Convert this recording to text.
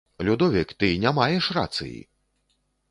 Людовік, ты не маеш рацыі!